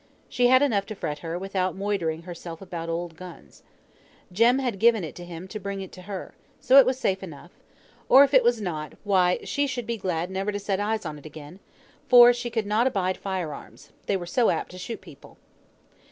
She had enough to fret her, without moidering herself about old guns. Jem had given it him to bring to her; so it was safe enough; or, if it was not, why she should be glad never to set eyes on it again, for she could not abide fire arms, they were so apt to shoot people.